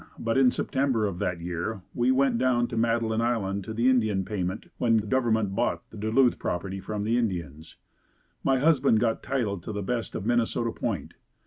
but in September of that year we went down to Madeline Island to the Indian payment when the government bought the Duluth property from the Indians. My husband got title to the best of Minnesota Point.